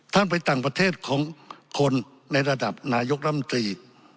ไปต่างประเทศของคนในระดับนายกรัมตรี